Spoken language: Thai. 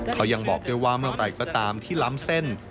เขายังบอกด้วยว่าเมื่อไหร่ก็ตามที่ล้ำเส้น